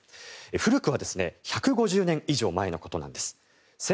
古くは１５０年以上前のことなんです。